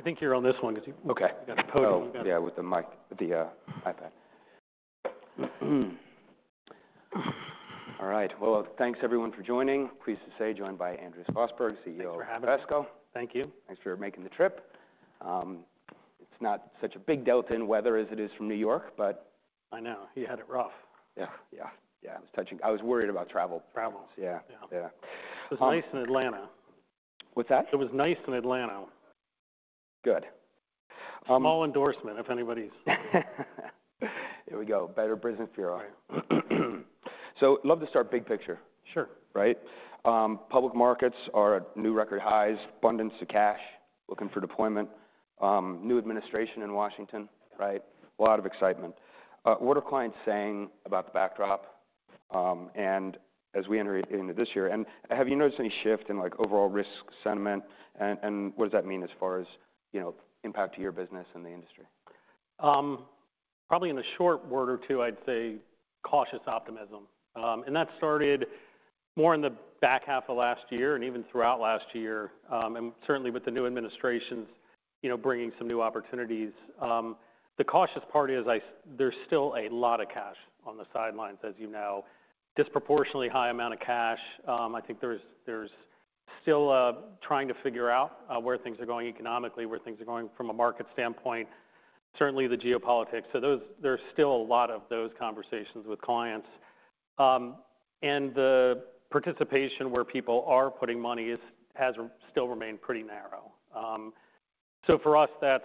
I think you're on this one. Okay. You got the podium. Oh, yeah, with the mic, the iPad. All right. Thanks everyone for joining. Pleased to say, joined by Andrew Schlossberg, CEO of Invesco. Thanks for having us. Thank you. Thanks for making the trip. It's not such a big delta in weather as it is from New York, but. I know. You had it rough. Yeah. I was worried about travel. Travel. Yeah. Yeah. Yeah. It was nice in Atlanta. What's that? It was nice in Atlanta. Good. Small endorsement if anybody's. Here we go. Better Business Bureau.So love to start big picture. Sure. Right? Public markets are at new record highs, abundance of cash looking for deployment. New administration in Washington, right? A lot of excitement. What are clients saying about the backdrop, and as we enter into this year, have you noticed any shift in, like, overall risk sentiment, and what does that mean as far as, you know, impact to your business and the industry? Probably in a short word or two, I'd say cautious optimism, and that started more in the back half of last year and even throughout last year, and certainly with the new administration's, you know, bringing some new opportunities. The cautious part is, there's still a lot of cash on the sidelines, as you know. Disproportionately high amount of cash. I think there's still trying to figure out where things are going economically, where things are going from a market standpoint, certainly the geopolitics, so those, there's still a lot of those conversations with clients, and the participation where people are putting money has still remained pretty narrow, so for us, that's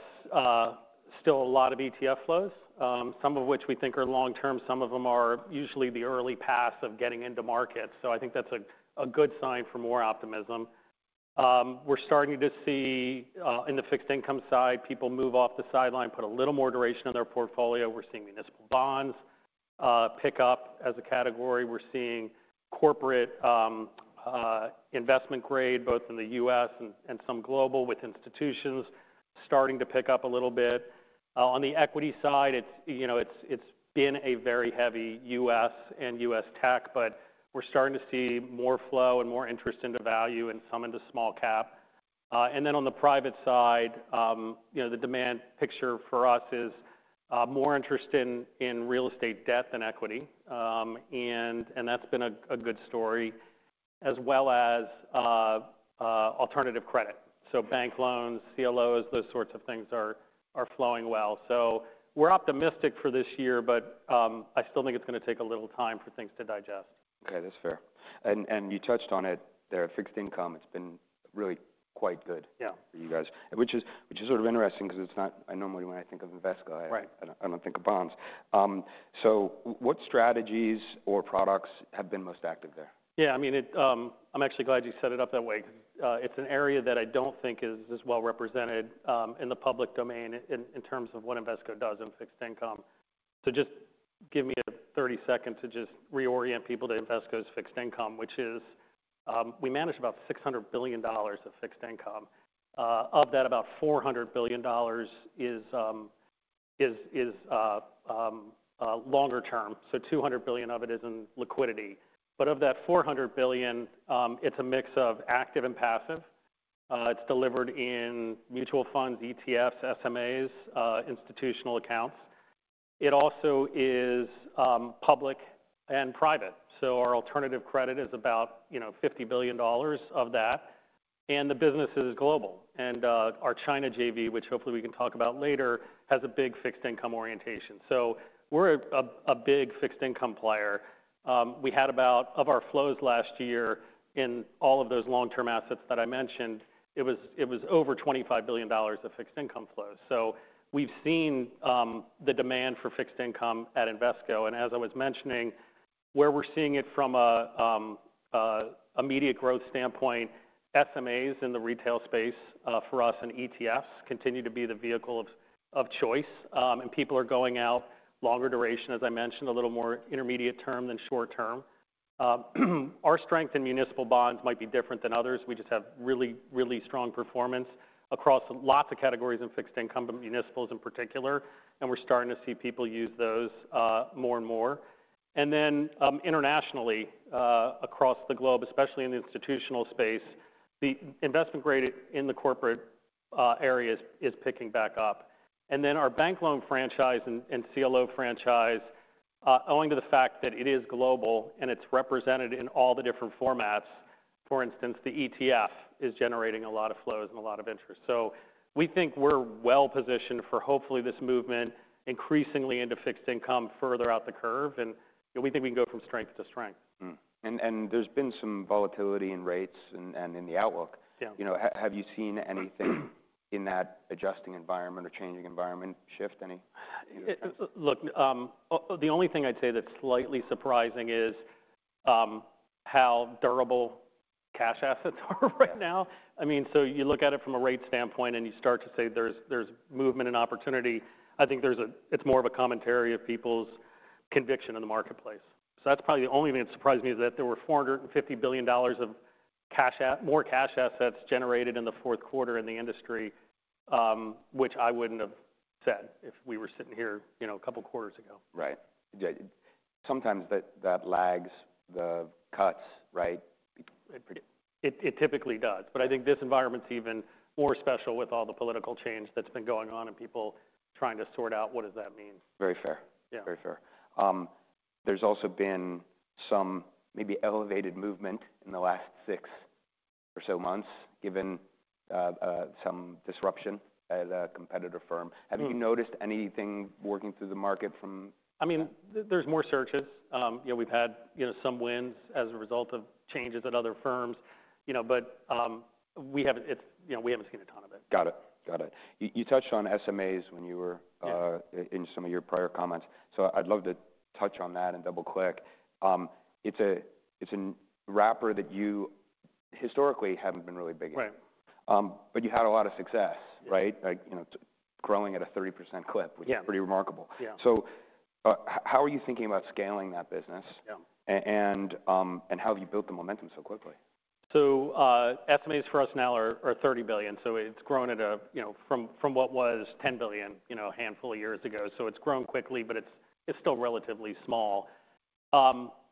still a lot of ETF flows, some of which we think are long-term. Some of them are usually the early phase of getting into markets, so I think that's a good sign for more optimism. We're starting to see, in the fixed income side, people move off the sideline, put a little more duration on their portfolio. We're seeing municipal bonds pick up as a category. We're seeing corporate investment grade both in the US and some global with institutions starting to pick up a little bit. On the equity side, it's, you know, been a very heavy US and US tech, but we're starting to see more flow and more interest into value and some into small cap. Then on the private side, you know, the demand picture for us is more interest in real estate debt than equity and that's been a good story as well as alternative credit. Bank loans, CLOs, those sorts of things are flowing well. So we're optimistic for this year, but I still think it's gonna take a little time for things to digest. Okay. That's fair. And you touched on it. Their fixed income, it's been really quite good. Yeah. For you guys, which is sort of interesting 'cause it's not - I normally, when I think of Invesco, I - Right. I don't think of bonds, so what strategies or products have been most active there? Yeah. I mean, I'm actually glad you set it up that way 'cause it's an area that I don't think is well represented in the public domain in terms of what Invesco does in fixed income. Just give me 30 seconds to just reorient people to Invesco's fixed income, which is we manage about $600 billion of fixed income. Of that, about $400 billion is longer term. So $200 billion of it is in liquidity. But of that $400 billion, it's a mix of active and passive. It's delivered in mutual funds, ETFs, SMAs, institutional accounts. It also is public and private. So our alternative credit is about, you know, $50 billion of that. The business is global. Our China JV, which hopefully we can talk about later, has a big fixed income orientation. We're a big fixed income player. We had about of our flows last year in all of those long-term assets that I mentioned. It was over $25 billion of fixed income flows. We've seen the demand for fixed income at Invesco. As I was mentioning, where we're seeing it from an immediate growth standpoint, SMAs in the retail space for us and ETFs continue to be the vehicle of choice. People are going out longer duration, as I mentioned, a little more intermediate term than short term. Our strength in municipal bonds might be different than others. We just have really strong performance across lots of categories in fixed income, but municipals in particular. We're starting to see people use those more and more. Then, internationally, across the globe, especially in the institutional space, the investment grade in the corporate area is picking back up and then our bank loan franchise and CLO franchise, owing to the fact that it is global and it's represented in all the different formats, for instance, the ETF is generating a lot of flows and a lot of interest. So we think we're well positioned for hopefully this movement increasingly into fixed income further out the curve and you know, we think we can go from strength to strength. There's been some volatility in rates and in the outlook. Yeah. You know, have you seen anything in that adjusting environment or changing environment shift? Any? Look, the only thing I'd say that's slightly surprising is how durable cash assets are right now. I mean, so you look at it from a rate standpoint and you start to say there's movement and opportunity. I think it's more of a commentary of people's conviction in the marketplace. That's probably the only thing that surprised me is that there were $450 billion of cash more cash assets generated in the Q4 in the industry, which I wouldn't have said if we were sitting here, you know, a couple quarters ago. Right. Yeah. Sometimes that, that lags the cuts, right? It typically does. But I think this environment's even more special with all the political change that's been going on and people trying to sort out what does that mean. Very fair. Yeah. Very fair. There's also been some maybe elevated movement in the last six or so months given some disruption at a competitor firm. Yeah. Have you noticed anything working through the market from? I mean, there's more searches. You know, we've had, you know, some wins as a result of changes at other firms, you know, but we haven't seen a ton of it. Got it. Got it. You touched on SMAs when you were, in some of your prior comments. So I'd love to touch on that and double-click. It's a wrapper that you historically haven't been really big in. Right. But you had a lot of success, right? Like, you know, growing at a 30% clip. Yeah. Which is pretty remarkable. Yeah. How are you thinking about scaling that business? Yeah. How have you built the momentum so quickly? SMAs for us now are $30 billion. So it's grown at a, you know, from what was $10 billion, you know, a handful of years ago. So it's grown quickly, but it's still relatively small.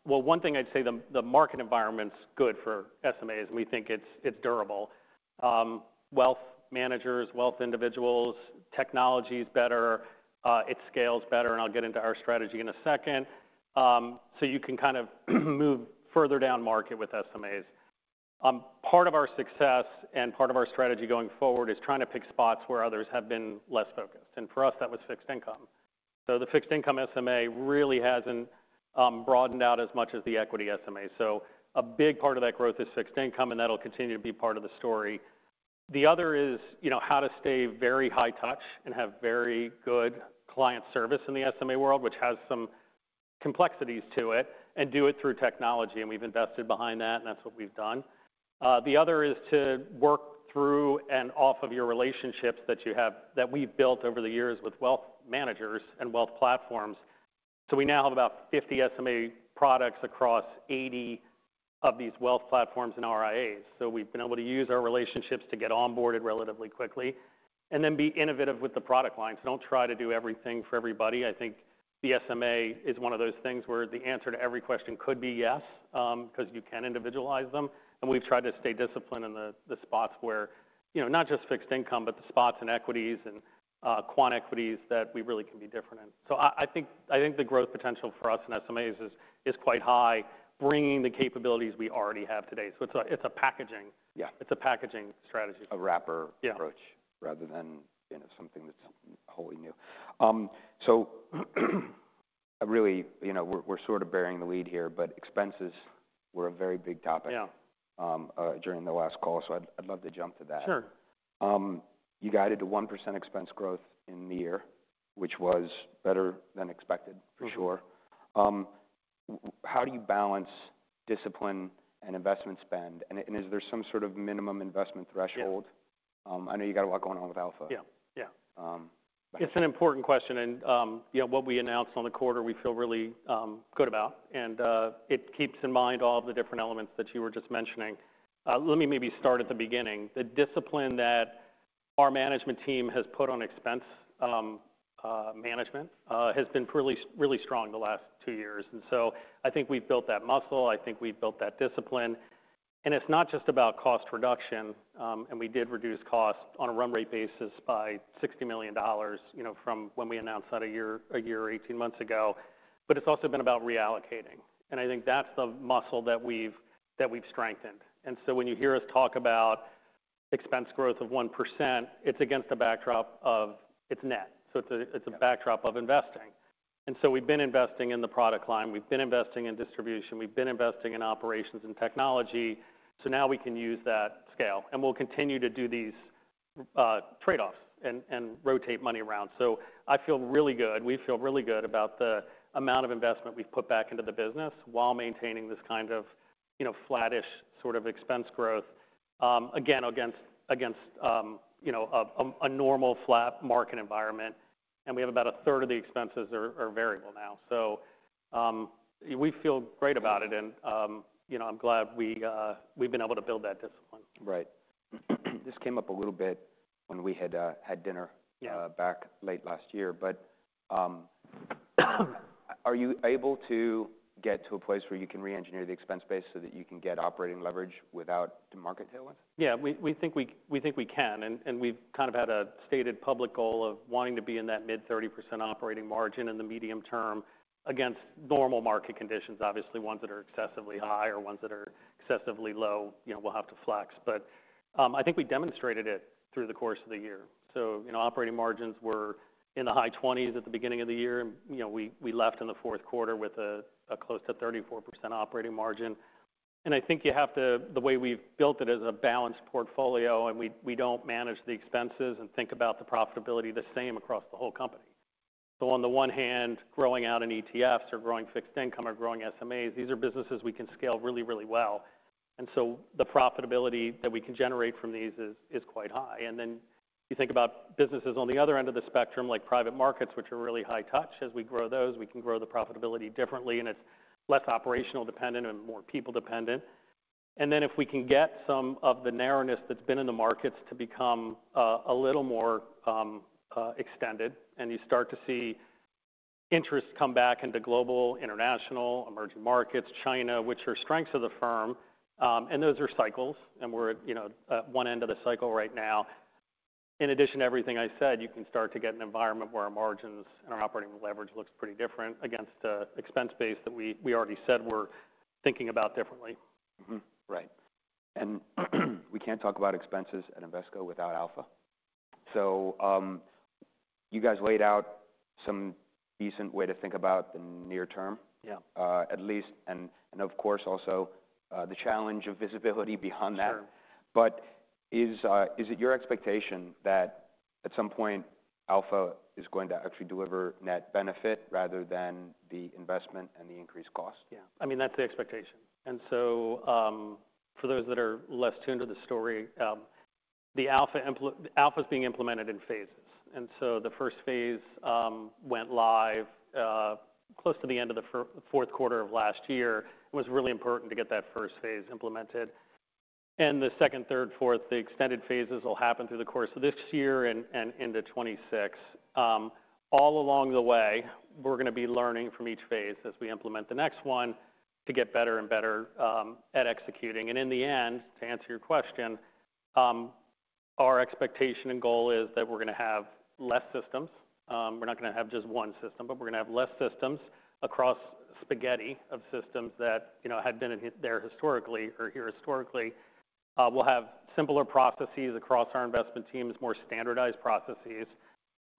Well, one thing I'd say, the market environment's good for SMAs. We think it's durable. Wealth managers, wealthy individuals, technology's better. It scales better and I'll get into our strategy in a second. So you can kind of move further down market with SMAs. Part of our success and part of our strategy going forward is trying to pick spots where others have been less focused and for us, that was fixed income. So the fixed income SMA really hasn't broadened out as much as the equity SMA. So a big part of that growth is fixed income, and that'll continue to be part of the story. The other is, you know, how to stay very high touch and have very good client service in the SMA world, which has some complexities to it, and do it through technology, and we've invested behind that, and that's what we've done. The other is to work through and off of your relationships that you have, that we've built over the years with wealth managers and wealth platforms. So we now have about 50 SMA products across 80 of these wealth platforms and RIAs. So we've been able to use our relationships to get onboarded relatively quickly and then be innovative with the product lines. Don't try to do everything for everybody. I think the SMA is one of those things where the answer to every question could be yes, 'cause you can individualize them. We've tried to stay disciplined in the spots where, you know, not just fixed income, but the spots and equities and quant equities that we really can be different in. I think the growth potential for us in SMAs is quite high, bringing the capabilities we already have today. It's a packaging. Yeah. It's a packaging strategy. A wrapper approach. Yeah. Rather than, you know, something that's wholly new, so I really, you know, we're sort of burying the lead here, but expenses were a very big topic. Yeah. During the last call, so I'd love to jump to that. Sure. You guided to 1% expense growth in the year, which was better than expected, for sure. How do you balance discipline and investment spend and is there some sort of minimum investment threshold? Yeah. I know you got a lot going on with Alpha. Yeah. Yeah. It's an important question and, you know, what we announced on the quarter, we feel really, good about. It keeps in mind all of the different elements that you were just mentioning. Let me maybe start at the beginning. The discipline that our management team has put on expense management has been really, really strong the last two years. And so I think we've built that muscle. I think we've built that discipline and it's not just about cost reduction we did reduce cost on a run rate basis by $60 million, you know, from when we announced that a year, a year, 18 months ago. But it's also been about reallocatinI think that's the muscle that we've, that we've strengthened and so when you hear us talk about expense growth of 1%, it's against a backdrop of its net. It's a backdrop of investing. We've been investing in the product line. We've been investing in distribution. We've been investing in operations and technology. Now we can use that scale. We'll continue to do these trade-offs and rotate money around. I feel really good. We feel really good about the amount of investment we've put back into the business while maintaining this kind of, you know, flattish sort of expense growth, again, against you know, a normal flat market environment. We have about a third of the expenses are variable now. We feel great about it. You know, I'm glad we've been able to build that discipline. Right. This came up a little bit when we had dinner. Yeah. Back late last year. But, are you able to get to a place where you can re-engineer the expense base so that you can get operating leverage without the market tailwinds? Yeah. We think we can, and we've kind of had a stated public goal of wanting to be in that mid 30% operating margin in the medium term against normal market conditions, obviously ones that are excessively high or ones that are excessively low. You know, we'll have to flex, but I think we demonstrated it through the course of the year, so you know, operating margins were in the high 20s at the beginning of the year, and you know, we left in the Q4 with a close to 34% operating margin, and I think you have to, the way we've built it is a balanced portfolio, and we don't manage the expenses and think about the profitability the same across the whole companyn the one hand, growing out in ETFs or growing fixed income or growing SMAs, these are businesses we can scale really, really well and so the profitability that we can generate from these is quite high. Then you think about businesses on the other end of the spectrum, like private markets, which are really high touch. As we grow those, we can grow the profitability differently and it's less operational dependent and more people dependent. Then if we can get some of the narrowness that's been in the markets to become a little more extended and you start to see interest come back into global, international, emerging markets, China, which are strengths of the firm, and those are cycles and we're at, you know, at one end of the cycle right now. In addition to everything I said, you can start to get an environment where our margins and our operating leverage looks pretty different against the expense base that we already said we're thinking about differently. Right and we can't talk about expenses at Invesco without Alpha. So, you guys laid out some decent way to think about the near term. Yeah. At least and, of course, also, the challenge of visibility beyond that. Sure. But is it your expectation that at some point, Alpha is going to actually deliver net benefit rather than the investment and the increased cost? Yeah. I mean, that's the expectation. For those that are less tuned to the story, the Alpha implementation. Alpha's being implemented in phaseshe first phase went live, close to the end of the Q4 of last year. It was really important to get that first phase implemented and the second, third, fourth, the extended phases will happen through the course of this year and into 2026. All along the way, we're gonna be learning from each phase as we implement the next one to get better and better at executing and in the end, to answer your question, our expectation and goal is that we're gonna have less systems. We're not gonna have just one system, but we're gonna have less systems across spaghetti of systems that, you know, had been in there historically. We'll have simpler processes across our investment teams, more standardized processes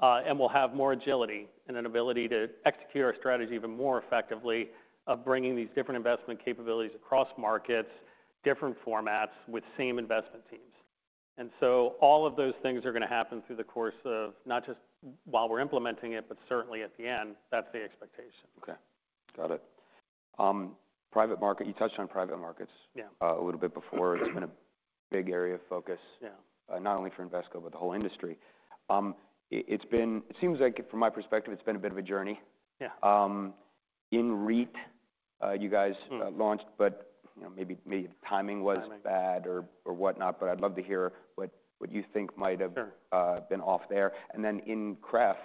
and we'll have more agility and an ability to execute our strategy even more effectively of bringing these different investment capabilities across markets, different formats with same investment. All of those things are gonna happen through the course of not just while we're implementing it, but certainly at the end. That's the expectation. Okay. Got it. Private market, you touched on private markets. Yeah. A little bit before. Yeah. It's been a big area of focus. Yeah. Not only for Invesco, but the whole industry. It's been, it seems like from my perspective, it's been a bit of a journey. Yeah. INREIT, you guys launched, but, you know, maybe, maybe the timing was bad or whatnot. But I'd love to hear what you think might have been off there and then in INCREF,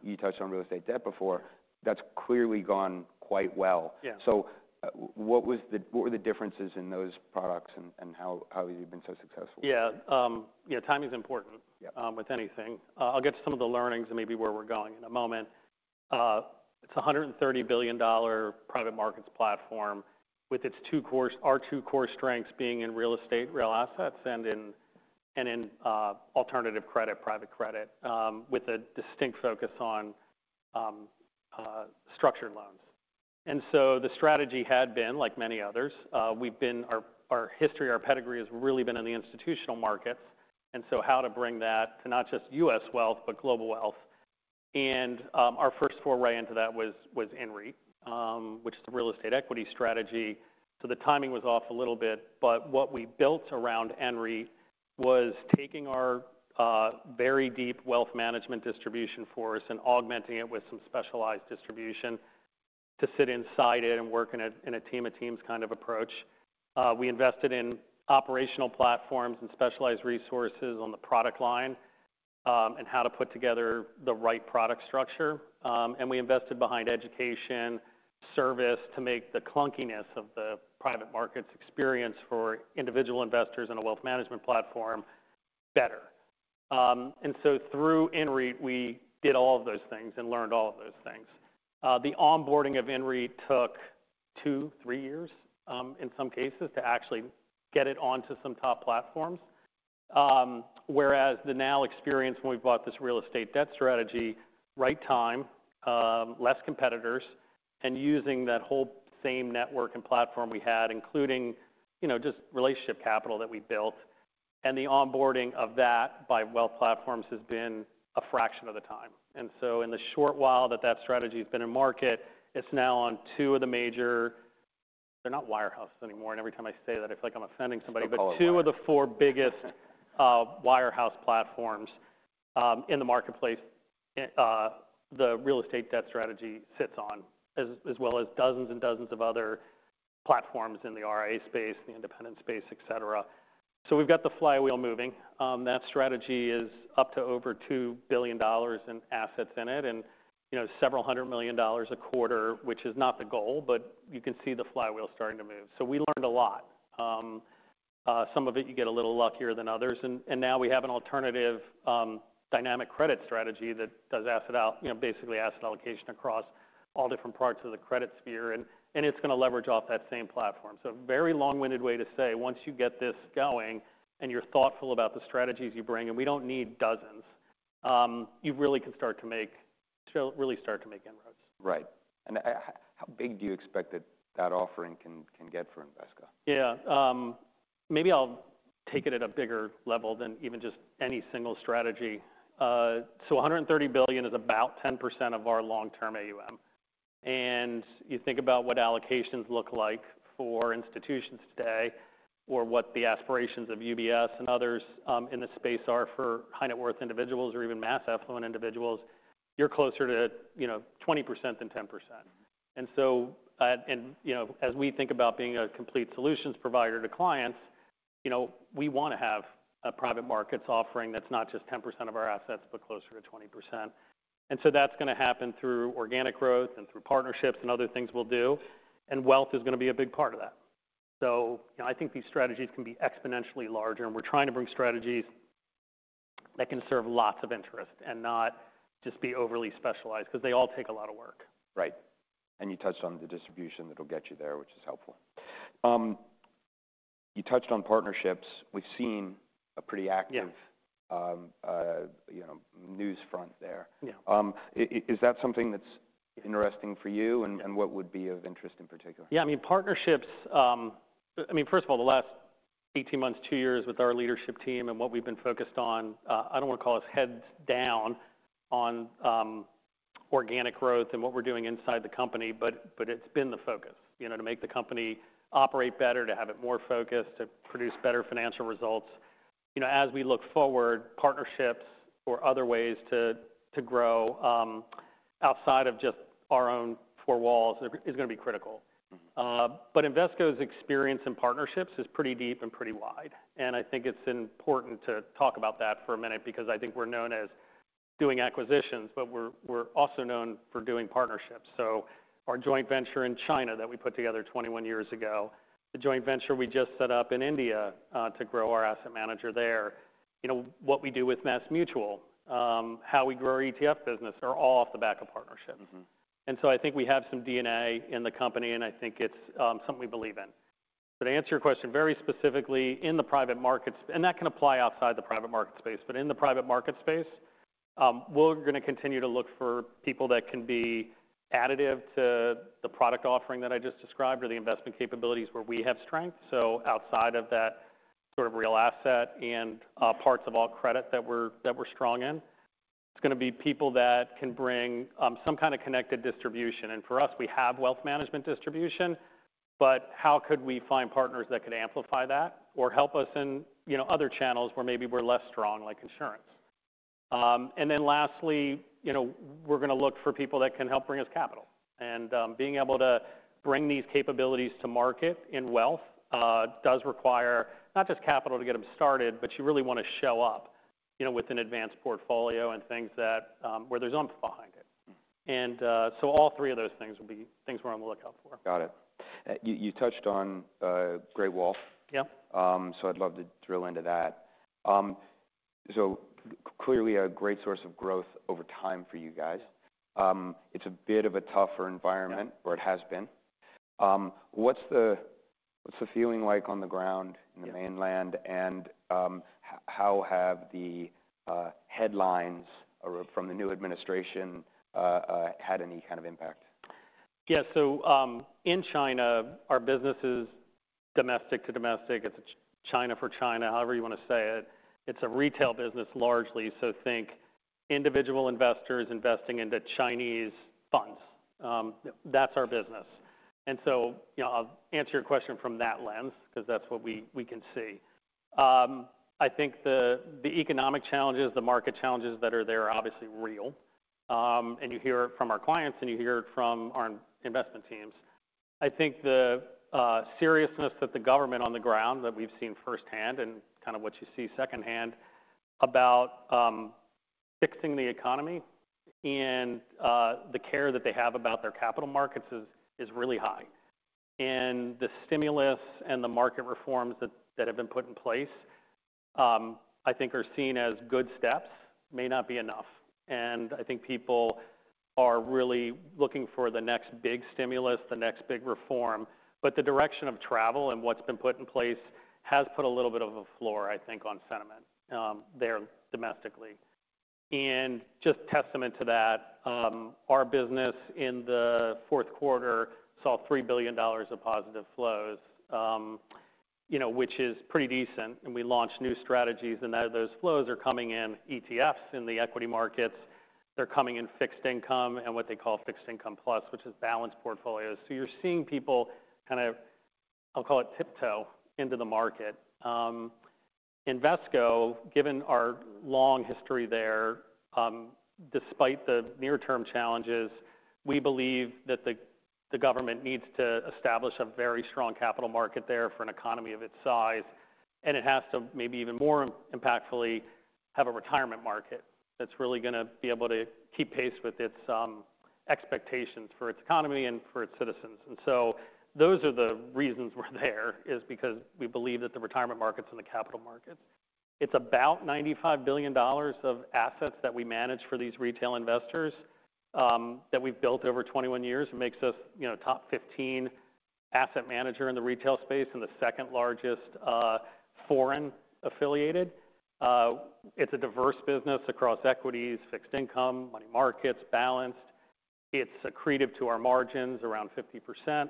you touched on real estate debt before. That's clearly gone quite well. Yeah. So what were the differences in those products and how have you been so successful? Yeah. You know, timing's important with anything. I'll get to some of the learnings and maybe where we're going in a moment. It's a $130 billion private markets platform with our two core strengths being in real estate, real assets, and in alternative credit, private credit, with a distinct focus on structured loans. The strategy had been, like many others, we've been. Our history, our pedigree has really been in the institutional markets and so how to bring that to not just US wealth, but global wealth, and our first foray into that was INREIT, which is the real estate equity strategy. So the timing was off a little bit. But what we built around INREIT was taking our very deep wealth management distribution for us and augmenting it with some specialized distribution to sit inside it and work in a team of teams kind of approach. We invested in operational platforms and specialized resources on the product line, and how to put together the right product structure. We invested behind education, service to make the clunkiness of the private markets experience for individual investors in a wealth management platform better and through INREIT, we did all of those things and learned all of those things. The onboarding of INREIT took two, three years, in some cases to actually get it onto some top platforms. Whereas the now experience, when we bought this real estate debt strategy, right time, less competitors, and using that whole same network and platform we had, including, you know, just relationship capital that we built. The onboarding of that by wealth platforms has been a fraction of the time. In the short while that that strategy has been in market, it's now on two of the major. They're not wirehouses anymore and, every time I say that, I feel like I'm offending somebody. But two of the four biggest wirehouse platforms in the marketplace, the real estate debt strategy sits on as well as dozens and dozens of other platforms in the RIA space, the independent space, etc. So we've got the flywheel moving. That strategy is up to over $2 billion in assets in it and, you know, several hundred million dollars a quarter, which is not the goal, but you can see the flywheel starting to move. So we learned a lot. Some of it, you get a little luckier than others. And now we have an alternative dynamic credit strategy that does, you know, basically asset allocation across all different parts of the credit sphere. And it's gonna leverage off that same platform. A very long-winded way to say, once you get this going and you're thoughtful about the strategies you bring, and we don't need dozens, you really can start to make, really start to make inroads. Right and, how big do you expect that offering can get for Invesco? Yeah. Maybe I'll take it at a bigger level than even just any single strategy so $130 billion is about 10% of our long-term AUM, and you think about what allocations look like for institutions today or what the aspirations of UBS and others in the space are for high net worth individuals or even mass affluent individuals. You're closer to, you know, 20% than 10%. You know, as we think about being a complete solutions provider to clients, you know, we wanna have a private markets offering that's not just 10% of our assets, but closer to 20%, and so that's gonna happen through organic growth and through partnerships and other things we'll do and wealth is gonna be a big part of that, so you know, I think these strategies can be exponentially larger. We're trying to bring strategies that can serve lots of interest and not just be overly specialized 'cause they all take a lot of work. Right and you touched on the distribution that'll get you there, which is helpful. You touched on partnerships. We've seen a pretty active. Yeah. You know, news front there. Yeah. Is that something that's interesting for you, and what would be of interest in particular? Yeah. I mean, partnerships. I mean, first of all, the last 18 months, two years with our leadership team and what we've been focused on. I don't wanna call us heads down on organic growth and what we're doing inside the company, but, but it's been the focus, you know, to make the company operate better, to have it more focused, to produce better financial results. You know, as we look forward, partnerships or other ways to, to grow, outside of just our own four walls is gonna be critical. But Invesco's experience in partnerships is pretty deep and pretty wide and I think it's important to talk about that for a minute because I think we're known as doing acquisitions, but we're also known for doing partnerships. Our joint venture in China that we put together 21 years ago, the joint venture we just set up in India, to grow our asset manager there, you know, what we do with MassMutual, how we grow our ETF business are all off the back of partnerships. I think we have some DNA in the company. I think it's something we believe in. To answer your question very specifically in the private markets, and that can apply outside the private market space, but in the private market space, we're gonna continue to look for people that can be additive to the product offering that I just described or the investment capabilities where we have strength. Outside of that sort of real asset and parts of alternative credit that we're strong in, it's gonna be people that can bring some kind of connected distribution. For us, we have wealth management distribution, but how could we find partners that could amplify that or help us in, you know, other channels where maybe we're less strong, like insurance? Then lastly, you know, we're gonna look for people that can help bring us capital and, being able to bring these capabilities to market in wealth, does require not just capital to get them started, but you really wanna show up, you know, with an advanced portfolio and things that, where there's oomph behind it and, so all three of those things will be things we're on the lookout for. Got it. You touched on Great Wall. Yeah. I'd love to drill into that. So clearly a great source of growth over time for you guys. It's a bit of a tougher environment or it has been. What's the, what's the feeling like on the ground in the mainland? How have the headlines from the new administration had any kind of impact? Yeah. So, in China, our business is domestic to domestic. It's a China for China, however you wanna say it. It's a retail business largely. So think individual investors investing into Chinese funds. That's our business, and so, you know, I'll answer your question from that lens 'cause that's what we can see. I think the economic challenges, the market challenges that are there are obviously real, and you hear it from our clients and you hear it from our investment teams. I think the seriousness that the government on the ground that we've seen firsthand and kind of what you see secondhand about fixing the economy and the care that they have about their capital markets is really high, and the stimulus and the market reforms that have been put in place, I think are seen as good steps, may not be enough. I think people are really looking for the next big stimulus, the next big reform. But the direction of travel and what's been put in place has put a little bit of a floor, I think, on sentiment there domestically and just testament to that, our business in the Q4 saw $3 billion of positive flows, you know, which is pretty decent. We launched new strategies and now those flows are coming in ETFs in the equity markets. They're coming in fixed income and what they call fixed income plus, which is balanced portfolios. You're seeing people kind of, I'll call it tiptoe into the market. Invesco, given our long history there, despite the near-term challenges, we believe that the government needs to establish a very strong capital market there for an economy of its size. It has to maybe even more impactfully have a retirement market that's really gonna be able to keep pace with its expectations for its economy and for its citizens. Those are the reasons we're there is because we believe that the retirement markets and the capital markets. It's about $95 billion of assets that we manage for these retail investors that we've built over 21 years. It makes us, you know, top 15 asset manager in the retail space and the second largest foreign affiliated. It's a diverse business across equities, fixed income, money markets, balanced. It's accretive to our margins around 50%,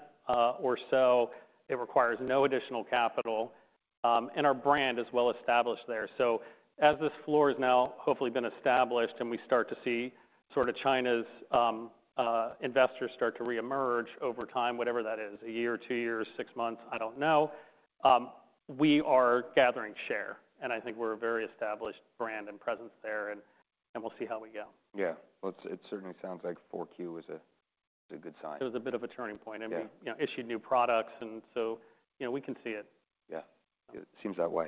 or so. It requires no additional capital, and our brand is well established there. As this floor has now hopefully been established and we start to see sort of China's investors start to reemerge over time, whatever that is, a year, two years, six months, I don't know, we are gathering share and, I think we're a very established brand and presence there and, we'll see how we go. Yeah. Well, it certainly sounds like Q4 is a good sign. It was a bit of a turning point. Yeah. We, you know, issued new products and so, you know, we can see it. Yeah. It seems that way.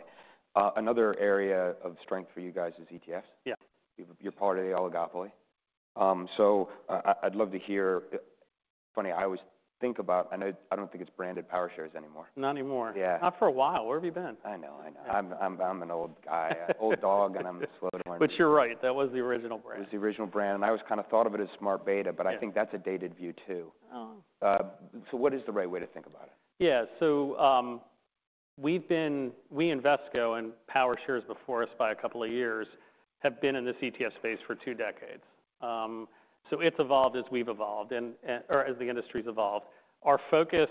Another area of strength for you guys is ETFs. Yeah. You're part of the oligopoly, so I'd love to hear. Funny, I always think about. I know I don't think it's branded PowerShares anymore. Not anymore. Yeah. Not for a while. Where have you been? I know, I know. I'm an old guy, old dog, and I'm slow to learn. But you're right. That was the original brand. It was the original brand, and I was kind of thought of it as smart beta, but I think that's a dated view too. So what is the right way to think about it? Yeah. So, we've been. Invesco and PowerShares before us by a couple of years have been in this ETF space for two decades. It's evolved as we've evolved and or as the industry's evolved. Our focus,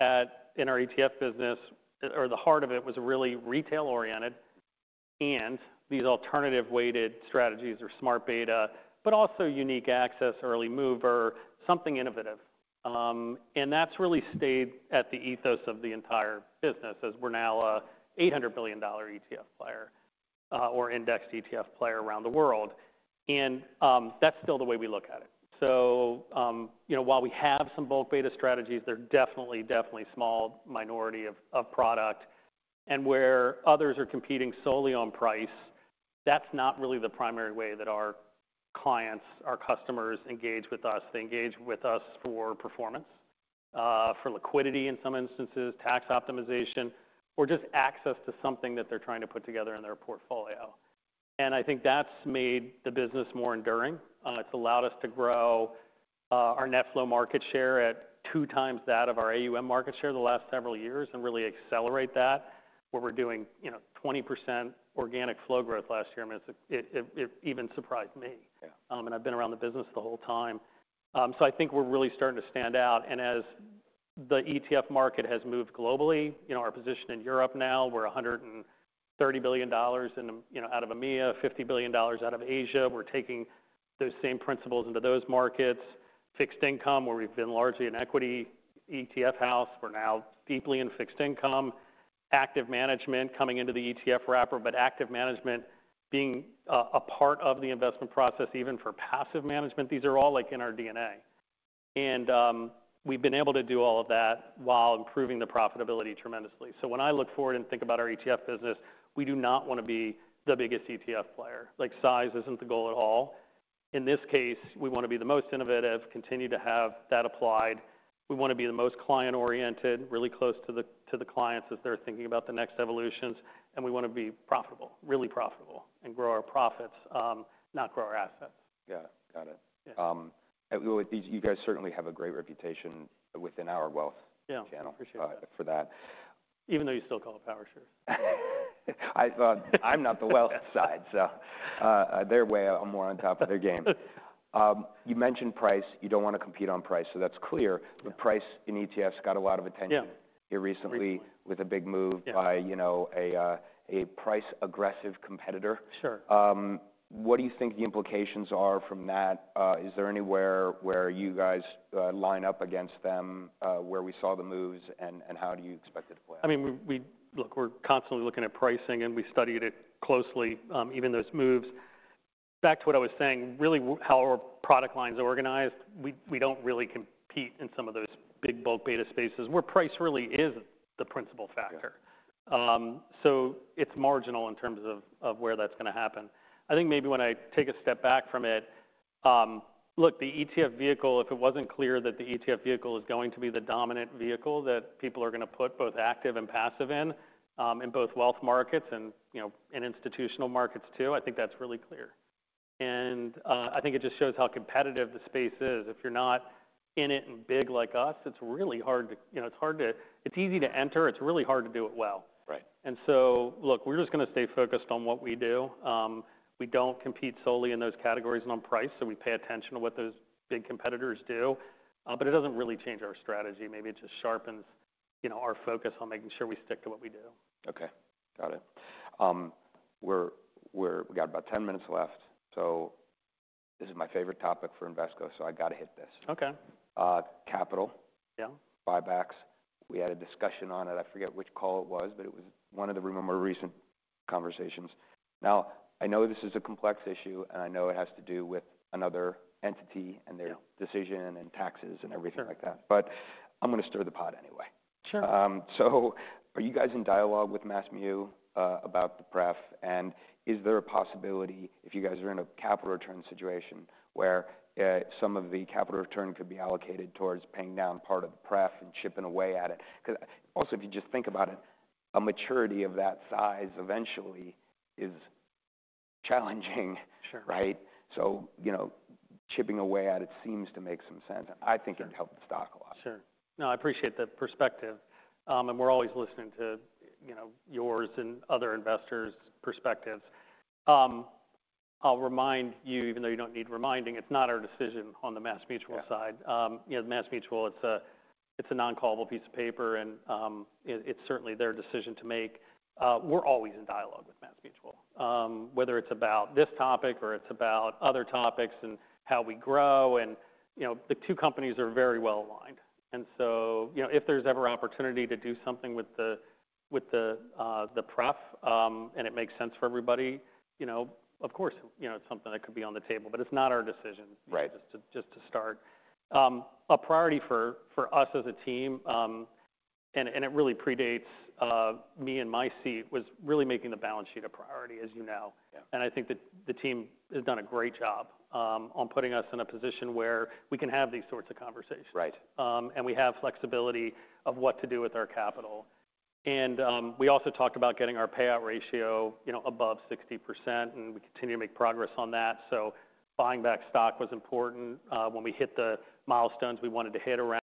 in our ETF business, or the heart of it was really retail-oriented and these alternative-weighted strategies or smart beta, but also unique access, early mover, something innovative. That's really stayed at the ethos of the entire business as we're now a $800 billion ETF player, or indexed ETF player around the world. That's still the way we look at it, you know, while we have some bulk beta strategies, they're definitely a small minority of product and, where others are competing solely on price, that's not really the primary way that our clients, our customers engage with us. They engage with us for performance, for liquidity in some instances, tax optimization, or just access to something that they're trying to put together in their portfolio. And I think that's made the business more enduring. It's allowed us to grow, our net flow market share at two times that of our AUM market share the last several years and really accelerate that were we're doing, you know, 20% organic flow growth last year. I mean, it's even surprised me. Yeah I've been around the business the whole time. I think we're really starting to stand out and, as the ETF market has moved globally, you know, our position in Europe now, we're $130 billion in, you know, out of EMEA, $50 billion out of Asia. We're taking those same principles into those markets. Fixed income where we've been largely an equity ETF house, we're now deeply in fixed income, active management coming into the ETF wrapper, but active management being a part of the investment process even for passive management. These are all like in our DNA. We've been able to do all of that while improving the profitability tremendously. When I look forward and think about our ETF business, we do not wanna be the biggest ETF player. Like size isn't the goal at all. In this case, we wanna be the most innovative, continue to have that applied. We wanna be the most client-oriented, really close to the clients as they're thinking about the next evolutions and, we wanna be profitable, really profitable, and grow our profits, not grow our assets. Yeah. Got it. These, you guys certainly have a great reputation within our wealth channel. Appreciate that. Even though you still call it PowerShares. I thought I'm not the wealth side, so that way I'm more on top of their game. You mentioned price. You don't wanna compete on price, so that's clear. Yeah. But pricing in ETFs got a lot of attention. Yeah. Here recently with a big move. Yeah. By, you know, a price-aggressive competitor. Sure. What do you think the implications are from that? Is there anywhere where you guys line up against them, where we saw the moves and, and how do you expect it to play out? I mean, we look, we're constantly looking at pricing and we studied it closely, even those moves. Back to what I was saying, really how our product lines are organized, we don't really compete in some of those big bulk beta spaces where price really is the principal factor. So it's marginal in terms of where that's gonna happen. I think maybe when I take a step back from it, look, the ETF vehicle, if it wasn't clear that the ETF vehicle is going to be the dominant vehicle that people are gonna put both active and passive in, in both wealth markets and, you know, in institutional markets too, I think that's really clear. I think it just shows how competitive the space is. If you're not in it and big like us, it's really hard to, you know, it's easy to enter. It's really hard to do it well. Right. Look, we're just gonna stay focused on what we do. We don't compete solely in those categories and on price. We pay attention to what those big competitors do. But it doesn't really change our strategy. Maybe it just sharpens, you know, our focus on making sure we stick to what we do. Okay. Got it. We got about 10 minutes left. So this is my favorite topic for Invesco, so I gotta hit this. Okay. Capital. Yeah. Buybacks. We had a discussion on it. I forget which call it was, but it was one of the recent conversations. Now, I know this is a complex issue and I know it has to do with another entity and their decision and taxes and everything like that. Sure. But I'm gonna stir the pot anyway. Sure. So, are you guys in dialogue with MassMutual about the pref? s there a possibility if you guys are in a capital return situation where some of the capital return could be allocated towards paying down part of the pref and chipping away at it? 'Cause also, if you just think about it, a maturity of that size eventually is challenging. Sure. Right? So, you know, chipping away at it seems to make some sense. I think it'd help the stock a lot. Sure. No, I appreciate the perspective and, we're always listening to, you know, yours and other investors' perspectives. I'll remind you, even though you don't need reminding, it's not our decision on the MassMutual side. Yeah. You know, the MassMutual, it's a non-callable piece of paper and, it's certainly their decision to make. We're always in dialogue with MassMutual, whether it's about this topic or it's about other topics and how we grow and, you know, the two companies are very well aligned, you know, if there's ever opportunity to do something with the pref, and it makes sense for everybody, you know, of course, you know, it's something that could be on the table, but it's not our decision. Right. Just to start, a priority for us as a team, and it really predates me and my seat was really making the balance sheet a priority, as you know. Yeah. I think that the team has done a great job on putting us in a position where we can have these sorts of conversations. Right. We have flexibility of what to do with our capital. We also talked about getting our payout ratio, you know, above 60% and we continue to make progress on that. Buying back stock was important. When we hit the milestones we wanted to hit around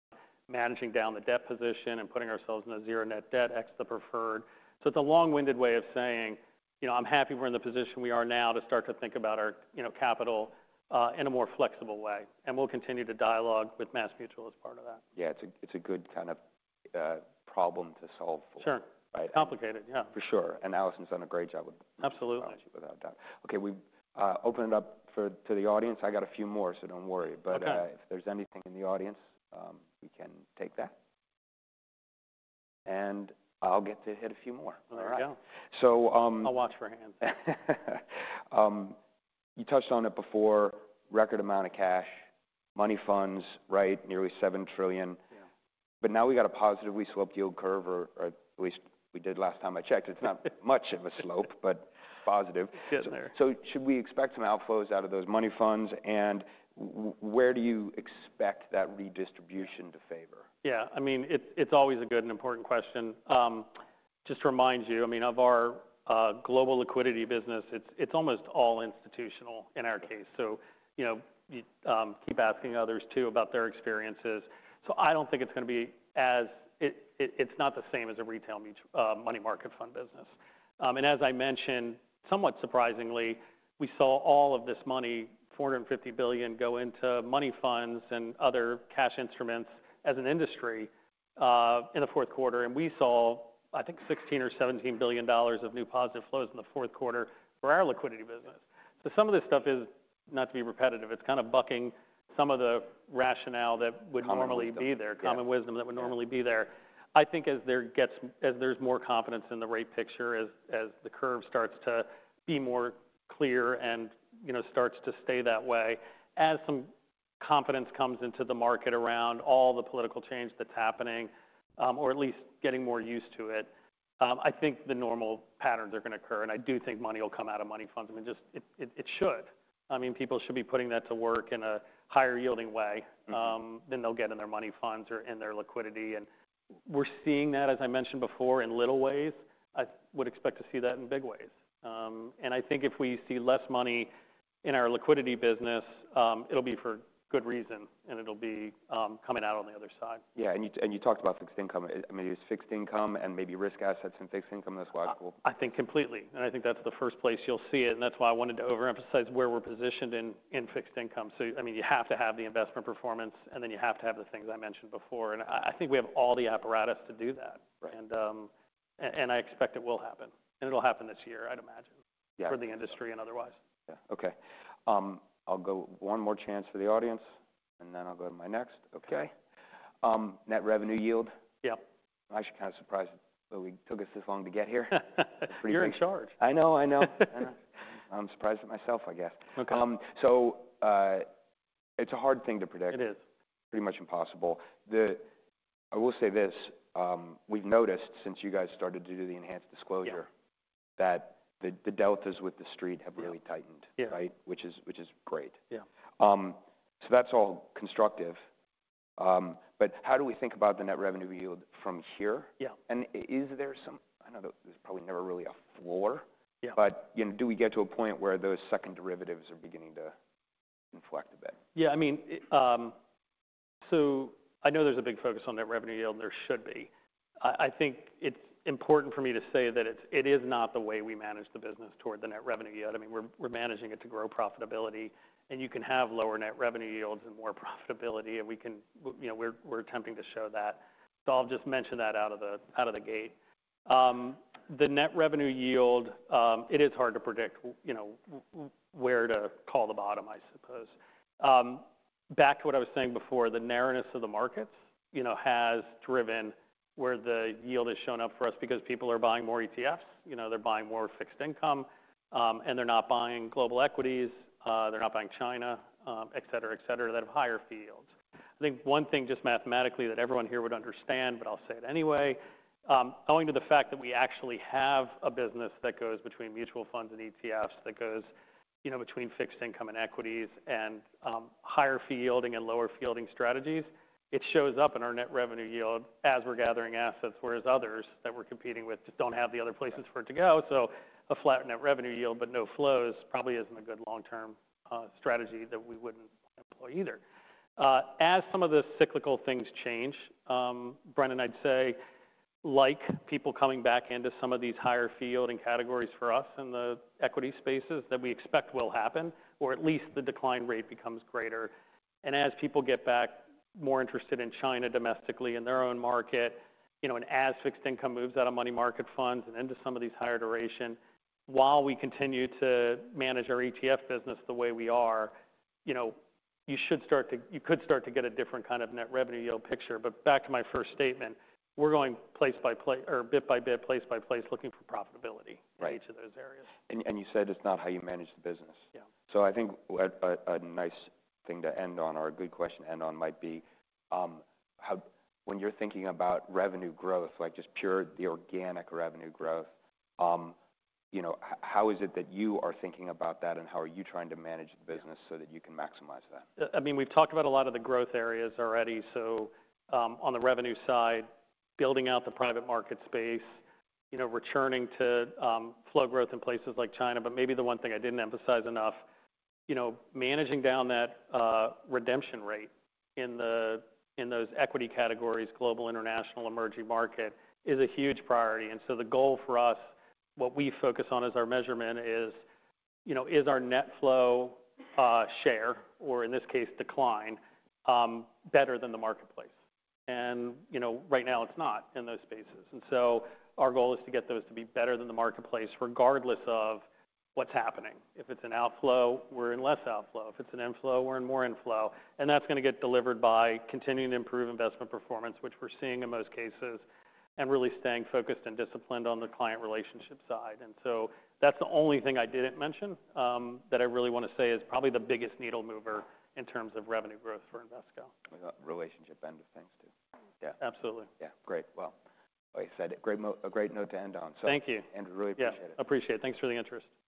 managing down the debt position and putting ourselves in a zero net debt ex the preferred. It's a long-winded way of saying, you know, I'm happy we're in the position we are now to start to think about our, you know, capital, in a more flexible way and, we'll continue to dialogue with MassMutual as part of that. Yeah. It's a, it's a good kind of problem to solve for. Sure. Right. Complicated. Yeah. For sure and, Allison's done a great job with. Absolutely. The balance sheet without a doubt. Okay. We open it up to the audience. I got a few more, so don't worry. Okay. But if there's anything in the audience, we can take that an I'll get to hit a few more. There we go. I'll watch for hands. You touched on it before, record amount of cash, money funds, right? Nearly $7 trillion. Yeah. But now we got a positively sloped yield curve or, at least we did last time I checked. It's not much of a slope, but positive. Good there. Should we expect some outflows out of those money funds? Where do you expect that redistribution to favor? Yeah. I mean, it's always a good and important question. Just to remind you, I mean, of our global liquidity business, it's almost all institutional in our case. So, you know, you keep asking others too about their experiences. I don't think it's gonna be as it's not the same as a retail mutual money market fund business. As I mentioned, somewhat surprisingly, we saw all of this money, $450 billion, go into money funds and other cash instruments as an industry, in the Q4. We saw, I think, $16 billion or $17 billion of new positive flows in the Q4 for our liquidity business. Some of this stuff is not to be repetitive. It's kind of bucking some of the rationale that would normally be there. Common wisdom. Common wisdom that would normally be there. I think as there's more confidence in the rate picture, as the curve starts to be more clear and, you know, starts to stay that way, as some confidence comes into the market around all the political change that's happening, or at least getting more used to it, I think the normal patterns are gonna occur, and I do think money will come out of money funds. I mean, just it should. I mean, people should be putting that to work in a higher yielding way, than they'll get in their money funds or in their liquidity and, we're seeing that, as I mentioned before, in little ways. I would expect to see that in big way and I think if we see less money in our liquidity business, it'll be for good reason and it'll be coming out on the other side. Yeah and, you talked about fixed income. I mean, it was fixed income and maybe risk assets and fixed income. That's why I'm cool. I think completely, and I think that's the first place you'll see it, and that's why I wanted to overemphasize where we're positioned in fixed income, so I mean, you have to have the investment performance, and then you have to have the things I mentioned before, and I think we have all the apparatus to do that. Right. I expect it will happen. It'll happen this year, I'd imagine. Yeah. For the industry and otherwise. Yeah. Okay. I'll go one more chance for the audienced then I'll go to my next. Okay. net revenue yield. Yep. I'm actually kind of surprised that it took us this long to get here. You're in charge. I know, I know. I'm surprised at myself, I guess. Okay. So, it's a hard thing to predict. It is. Pretty much impossible. I will say this, we've noticed since you guys started to do the enhanced disclosure. Yeah. That the deltas with the street have really tightened. Yeah. Right? Which is great. Yeah. So that's all constructive. But how do we think about the net revenue yield from here? Yeah. Is there some, I know that there's probably never really a floor. Yeah. But, you know, do we get to a point where those second derivatives are beginning to inflect a bit? Yeah. I mean, so I know there's a big focus on net revenue yield and there should be. I think it's important for me to say that it is not the way we manage the business toward the net revenue yield. I mean, we're managing it to grow profitability and you can have lower net revenue yields and more profitability and we can, you know, we're attempting to show that. I'll just mention that out of the gate. The net revenue yield, it is hard to predict, you know, where to call the bottom, I suppose. Back to what I was saying before, the narrowness of the markets, you know, has driven where the yield has shown up for us because people are buying more ETFs. You know, they're buying more fixed income, and they're not buying global equities. They're not buying China, etc., etc., that have higher yields. I think one thing just mathematically that everyone here would understand, but I'll say it anyway, owing to the fact that we actually have a business that goes between mutual funds and ETFs that goes, you know, between fixed income and equities and higher yielding and lower yielding strategies. It shows up in our net revenue yield as we're gathering assets, whereas others that we're competing with just don't have the other places for it to go. A flat net revenue yield but no flows probably isn't a good long-term strategy that we wouldn't employ either. As some of the cyclical things change, Brandon, I'd say, like people coming back into some of these higher yielding categories for us in the equity spaces that we expect will happen, or at least the decline rate becomes greater. And as people get back more interested in China domestically in their own market, you know, and as fixed income moves out of money market funds and into some of these higher duration, while we continue to manage our ETF business the way we are, you know, you should start to, you could start to get a different kind of net revenue yield picture. But back to my first statement, we're going place by place or bit by bit, place by place, looking for profitability. Right. In each of those areas. You said it's not how you manage the business. Yeah I think a nice thing to end on or a good question to end on might be, how when you're thinking about revenue growth, like just pure the organic revenue growth, you know, how is it that you are thinking about that and how are you trying to manage the business so that you can maximize that? I mean, we've talked about a lot of the growth areas already. On the revenue side, building out the private market space, you know, returning to flow growth in places like China. But maybe the one thing I didn't emphasize enough, you know, managing down that redemption rate in those equity categories, global, international, emerging market, is a huge priority. The goal for us, what we focus on as our measurement is, you know, is our net flow share or, in this case, decline, better than the marketplace? And, you know, right now it's not in those our goal is to get those to be better than the marketplace regardless of what's happening. If it's an outflow, we're in less outflow. If it's an inflow, we're in more inflow. That's gonna get delivered by continuing to improve investment performance, which we're seeing in most cases, and really staying focused and disciplined on the client relationship side, and so that's the only thing I didn't mention, that I really wanna say is probably the biggest needle mover in terms of revenue growth for Invesco. We got relationship end of things too. Yeah. Absolutely. Yeah. Great. Well, I said a great note to end on. Thank you. Andrew, really appreciate it. Yeah. Appreciate it. Thanks for the interest.